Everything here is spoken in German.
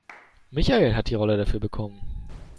Michael hat die Rolle dafür bekommen.